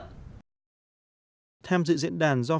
tham dự diễn đàn do phòng thương mại tự do fta với việt nam